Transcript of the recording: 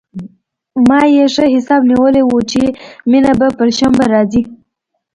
ما يې ښه حساب نيولى و چې مينه به پر شنبه راځي.